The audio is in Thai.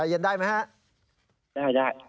เย็นได้ไหมครับ